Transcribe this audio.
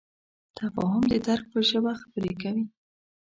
تفاهم د درک په ژبه خبرې کوي.